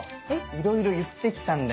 いろいろ言ってきたんだよ。